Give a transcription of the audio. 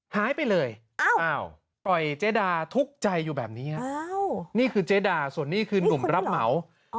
หายไปเลยปล่อยเจดาทุกข์ใจอยู่แบบนี้นี่คือเจดาส่วนนี้คือนุ่มรับเหมา